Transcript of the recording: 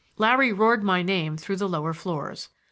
Larry roared my name through the lower floors.